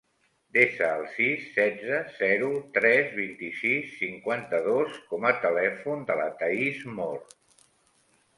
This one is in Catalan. Desa el sis, setze, zero, tres, vint-i-sis, cinquanta-dos com a telèfon de la Thaís Mor.